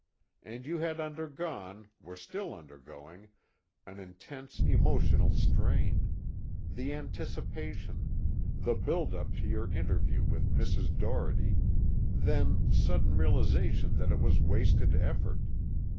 And you had undergone, were still undergoing, an intense emotional strain: the anticipation, the build up to your interview with Mrs. Doherty, then sudden realization that it was wasted effort.